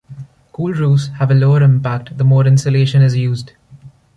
Cool roofs have a lower impact the more insulation is used.